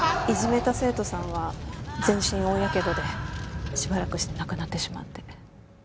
いじめた生徒さんは全身大やけどでしばらくして亡くなってしまって。